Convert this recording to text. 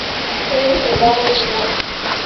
ހިތް ހިލައެއް ނޫން